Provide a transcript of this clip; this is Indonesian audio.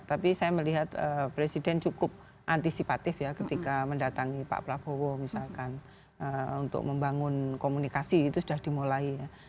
tapi saya melihat presiden cukup antisipatif ya ketika mendatangi pak prabowo misalkan untuk membangun komunikasi itu sudah dimulai ya